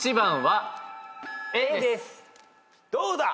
どうだ？